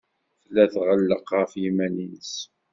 Tella tɣelleq ɣef yiman-nnes.